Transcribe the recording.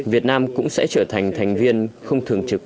việt nam cũng sẽ trở thành thành viên không thường trực